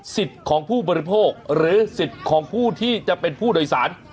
ของผู้บริโภคหรือสิทธิ์ของผู้ที่จะเป็นผู้โดยสาร